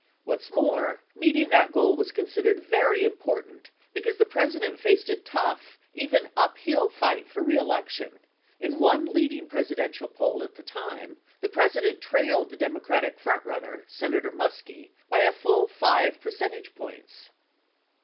What's more, meet ing that goal was considered very important, because the President faced a tough, even uphill fight for reelection — in one leading Presi dential poll at the time, the President trailed the. Democratic front runner, Senator Muskie, by a full 5 percentage points.